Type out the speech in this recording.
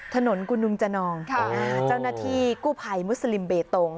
ถนนกูนุงจนองค่ะอ้ออ๋ออ่าเจ้าหน้าที่กู้ไผ่มุสลิมเบตรง